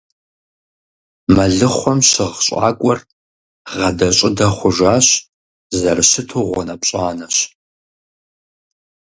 Мэлыхъуэм щыгъ щӀакӀуэр гъадэ-щӀыдэ хъужащ, зэрыщыту гъуанэпщӀанэщ.